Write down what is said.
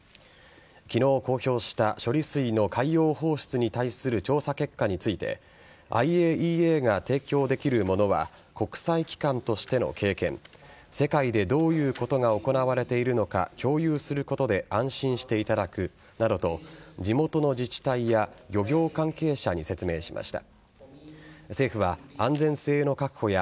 昨日公表した処理水の海洋放出に対する調査結果についてＩＡＥＡが提供できるものは国際機関としての経験世界で、どういうことが行われているのか共有することで安心していただくなどと地元の自治体や漁業関係者に説明しました。